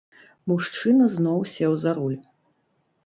Мужчына зноў сеў за руль.